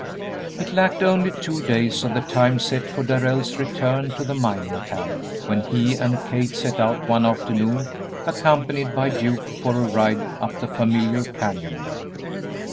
It lacked only two days of the time set for Darrell's return to the mining camp when he and Kate set out one afternoon accompanied by Duke for a ride up the familiar canyon road.